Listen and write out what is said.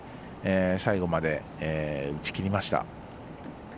最後まで打ち切りました。